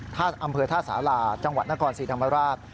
อำเภอท่าสาราจังหวัดนครศรีธรรมราช